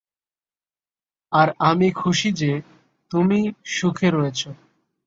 আর আমি খুশি যে, তুমি সুখে রয়েছো।